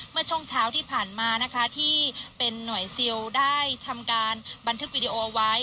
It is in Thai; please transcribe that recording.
เมื่อช่วงเช้าที่ผ่านมานะคะที่เป็นหน่วยซิลได้ทำการบันทึกวิดีโอเอาไว้